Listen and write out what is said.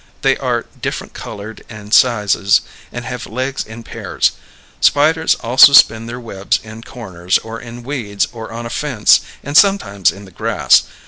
They are different coloured and sizes and have legs in pairs. Spiders also spin their webs in corners or in weeds or on a fence and sometimes in the grass.